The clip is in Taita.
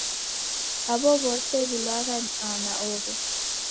Aw'o w'ose w'ilwagha na oho.